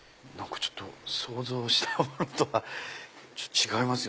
想像したものとはちょっと違いますよ。